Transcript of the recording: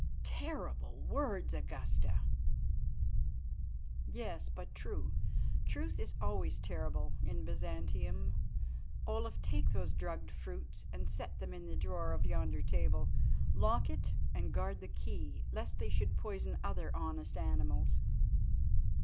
"Terrible words, Augusta." "Yes, but true. Truth is always terrible in Byzantium. Olaf, take those drugged fruits and set them in the drawer of yonder table; lock it and guard the key, lest they should poison other honest animals."